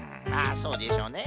そうでしょうね。